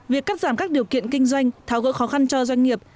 việc cắt giảm các điều kiện kinh doanh tháo gỡ khó khăn cho doanh nghiệp